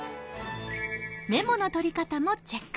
メモの取り方もチェック！